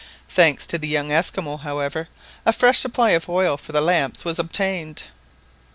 Thanks to the young Esquimaux, however, a fresh supply of oil for the lamps was obtained.